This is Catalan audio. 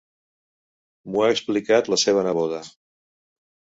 M'ho ha explicat la seva neboda.